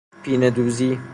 پینه دوزی